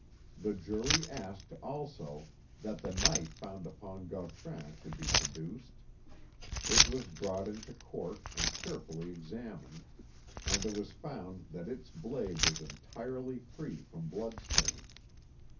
The jury asked, also, that the knife found upon Gautran should be produced. It was brought into court, and carefully examined, and it was found that its blade was entirely free from blood stain.